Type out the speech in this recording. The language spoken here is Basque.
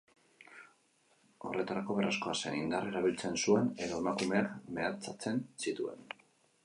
Horretarako, beharrezkoa zen indarra erabiltzen zuen edo emakumeak mehatxatzen zituen.